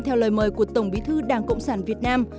theo lời mời của tổng bí thư đảng cộng sản việt nam